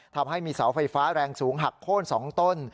ทำให้มีเสาไฟฟ้าแรงสูงหักโค้น๒ต้น